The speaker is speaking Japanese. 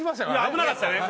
危なかったよね。